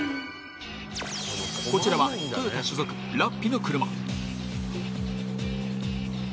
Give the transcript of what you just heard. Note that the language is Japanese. こちらはトヨタ所属、ラッピの車。